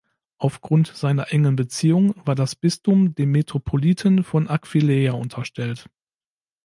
Aufgrund seiner engen Beziehung war das Bistum dem Metropoliten von Aquileia unterstellt.